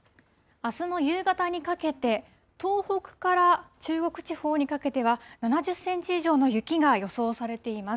あすの夕方にかけて、東北から中国地方にかけては、７０センチ以上の雪が予想されています。